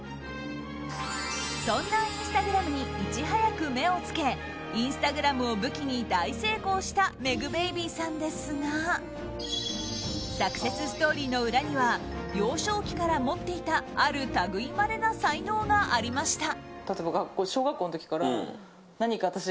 そんなインスタグラムにいち早く目をつけインスタグラムを武器に大成功したｍｅｇｂａｂｙさんですがサクセスストーリーの裏には幼少期から持っていたある類いまれな才能がありました。